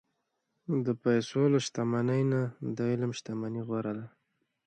د پیسو له شتمنۍ نه، د علم شتمني غوره ده.